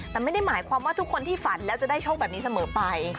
แต่ไม่ได้หมายความว่าทุกคนที่ฝันแล้วจะได้โชคแบบนี้เสมอไป